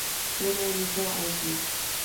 Tienen un hijo Aydin.